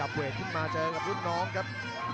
เวทขึ้นมาเจอกับรุ่นน้องครับ